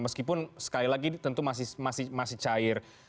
meskipun sekali lagi tentu masih cair